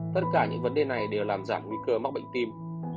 tất cả những vấn đề này đều làm giảm nguy cơ mắc bệnh tim